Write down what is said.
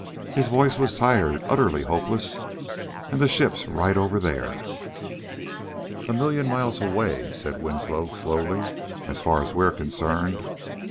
His voice was tired, utterly hopeless. "And the ship's right over there...." "A million miles away," said Winslow slowly, "as far as we're concerned."